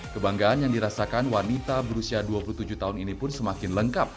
kebanggaan yang dirasakan wanita berusia dua puluh tujuh tahun ini pun semakin lengkap